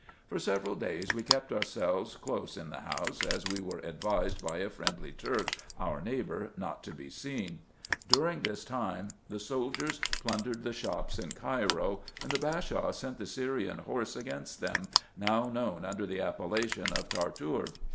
For several days we kept ourselves close in the house, as we were advised by a friendly Turk, our neighbour, not to be seen. During this time, the soldiers plundered the shops in Cairo, and the Bashaw sent the Syrian horse against them, now known under the appellation of Tartoor.